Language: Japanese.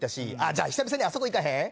じゃあ久々にあそこ行かへん？